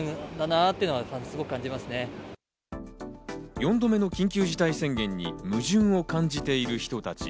４度目の緊急事態宣言に矛盾を感じている人たち。